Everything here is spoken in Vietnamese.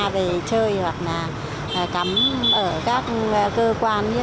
vì sống trường trị giá